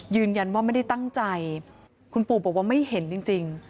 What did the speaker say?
ยืนยันว่าไม่ได้ตั้งใจคุณปู่บอกว่าไม่เห็นจริง